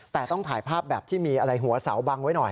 แต่ต้องถ่ายภาพแบบที่มีอะไรหัวเสาบังไว้หน่อย